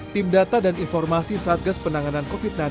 tim data dan informasi satgas penanganan covid sembilan belas